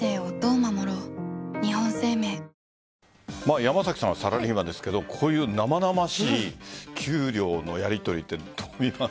山崎さんはサラリーマンですがこういう生々しい給料のやりとりってどう見ます？